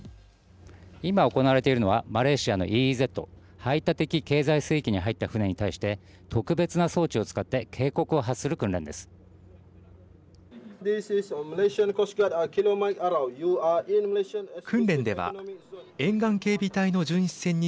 今、行われているのはマレーシアのＥＥＺ＝排他的経済水域に入った船に対して特別な装置を使って警告を発する訓練です。